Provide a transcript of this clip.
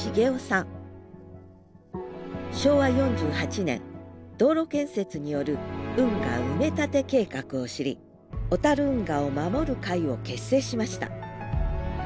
昭和４８年道路建設による運河埋め立て計画を知り「小運河を守る会」を結成しました。